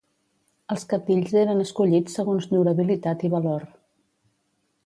Els cabdills eren escollits segons llur habilitat i valor.